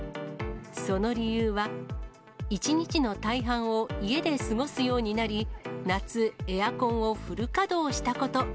その理由は、１日の大半を家で過ごすようになり、夏、エアコンをフル稼働したこと。